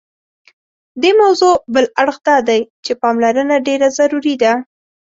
دې موضوع بل اړخ دادی چې پاملرنه ډېره ضروري ده.